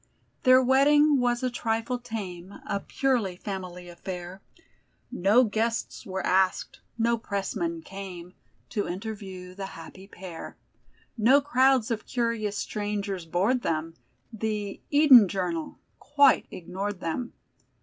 Their wedding was a trifle tame A purely family affair No guests were asked, no pressmen came To interview the happy pair; No crowds of curious strangers bored them, The "Eden Journal" quite ignored them.